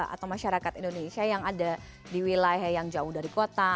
atau masyarakat indonesia yang ada di wilayah yang jauh dari kota